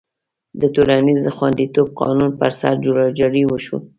د ټولنیز خوندیتوب قانون پر سر جوړجاړی وشو.